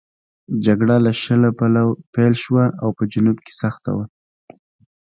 جګړه له شله پیل شوه او په جنوب کې سخته وه.